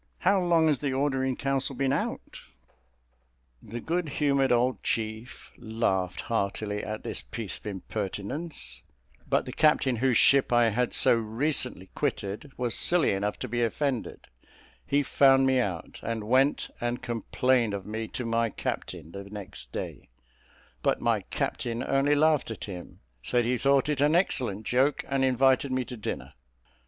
How long has the order in council been out?" The good humoured old chief laughed heartily at this piece of impertinence; but the captain whose ship I had so recently quitted was silly enough to be offended: he found me out, and went and complained of me to my captain the next day; but my captain only laughed at him, said he thought it an excellent joke, and invited me to dinner.